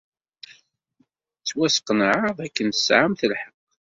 Ttwasqenɛeɣ dakken tesɛamt lḥeqq.